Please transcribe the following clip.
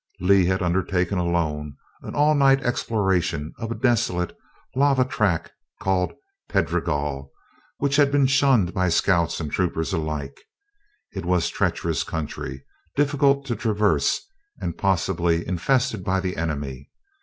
Lee had undertaken alone an all night exploration of a desolate, lava tract called the Pedregal, which had been shunned by scouts and troopers alike. It was treacherous country, difficult to traverse, and possibly infested by the enemy.